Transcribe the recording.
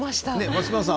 松島さん